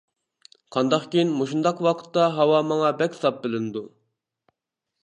قانداقكىن مۇشۇنداق ۋاقىتتا ھاۋا ماڭا بەك ساپ بىلىنىدۇ.